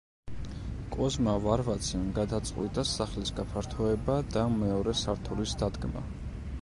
კოზმა ვარვაციმ გადაწყვიტა სახლის გაფართოება და მეორე სართულის დადგმა.